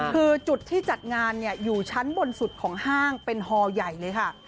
คือจุดที่จัดงานอยู่ชั้นบนสุดของห้างเป็นฮอใหญ่เลยค่ะ